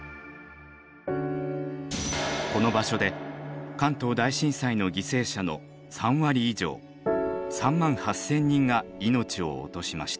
この場所で関東大震災の犠牲者の３割以上３万８千人が命を落としました。